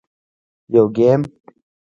- یو ګېم 🎮